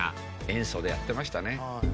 塩素でやってましたね。